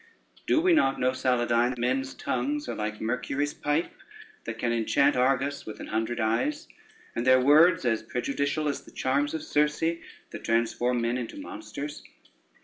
Do we not know, Saladyne, men's tongues are like Mercury's pipe, that can enchant Argus with an hundred eyes, and their words as prejudicial as the charms of Circes, that transform men into monsters.